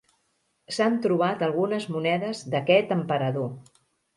S'han trobat algunes monedes d'aquest emperador.